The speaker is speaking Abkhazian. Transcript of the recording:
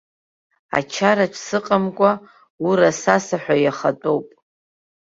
Ачараҿ сыҟамкәа, ура-саса ҳәа иахатәоуп!